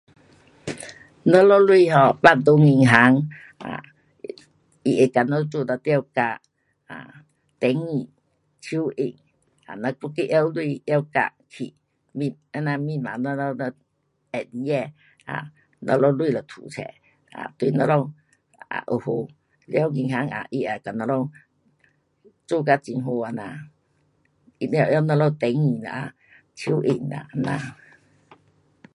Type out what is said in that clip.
我们钱 um 放在银行 [jam]